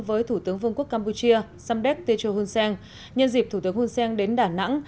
với thủ tướng vương quốc campuchia samdak techo hunsen nhân dịp thủ tướng hunsen đến đà nẵng